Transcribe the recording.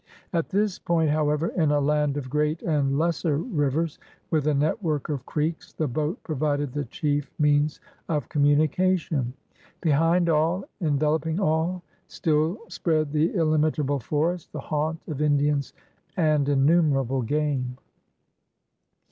At this point, however, in a land of great and lesser rivers, with a network of creeks, the boat provided the chief means of communication. Behind all, enveloping all, still spread the illimit able forest, the haunt of Indians and innumerable game.